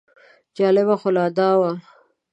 جالبه خو لا دا وه.